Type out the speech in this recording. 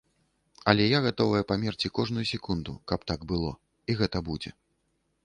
Але я гатовая памерці кожную секунду, каб так было, і гэта будзе.